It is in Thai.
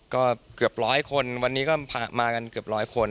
ก็เกือบร้อยคนวันนี้ก็มากันเกือบร้อยคน